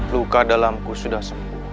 luka dalamku sudah sembuh